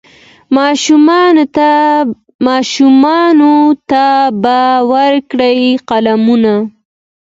ماشومانو ته به ورکړي قلمونه